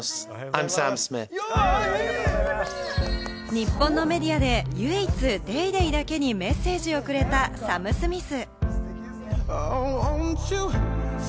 日本のメディアで唯一、『ＤａｙＤａｙ．』だけにメッセージをくれたサム・スミス。